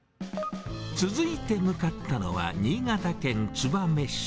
続いて向かったのは、新潟県燕市。